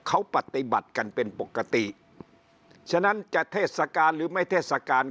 เขาปฏิบัติกันเป็นปกติฉะนั้นจะเทศกาลหรือไม่เทศกาล